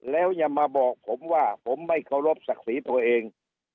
แล้วอย่ามาบอกผมว่าผมไม่เคารพศักดิ์ศรีตัวเอง